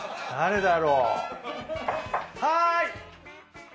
誰だろう？